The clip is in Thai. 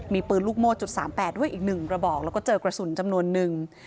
มีปืนลูกโม่จุด๓๘ด้วยอีก๑กระบอกแล้วก็เจอกระสุนจำนวนนึง